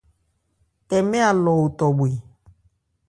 Tɛmɛ̂ Alɔ otɔ bhwe.